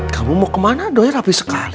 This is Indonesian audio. kamu mau kemana doi rapih sekali